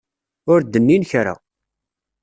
Ur d-nnin kra.